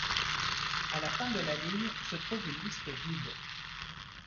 À la fin de la ligne se trouve une liste vide.